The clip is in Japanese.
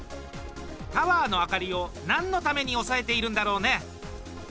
タワーの明かりを、なんのために抑えているんだろうね。